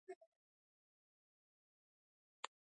ازادي راډیو د تعلیم په اړه د مسؤلینو نظرونه اخیستي.